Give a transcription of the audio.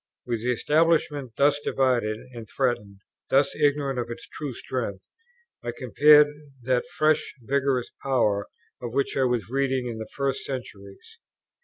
With the Establishment thus divided and threatened, thus ignorant of its true strength, I compared that fresh vigorous Power of which I was reading in the first centuries.